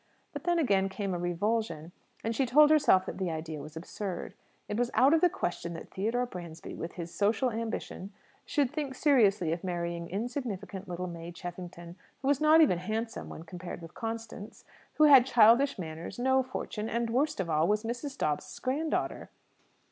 But then, again, came a revulsion, and she told herself that the idea was absurd. It was out of the question that Theodore Bransby, with his social ambition, should think seriously of marrying insignificant little May Cheffington, who was not even handsome (when compared with Constance), who had childish manners, no fortune and, worst of all, was Mrs. Dobbs's grand daughter!